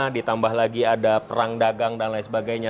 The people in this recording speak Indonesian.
ditambah lagi ada perang dagang dan lain sebagainya